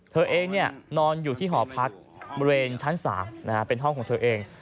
เธอเองนอนอยู่ที่หอพักบริเวณชั้น๓เป็นห้องของเธอเอง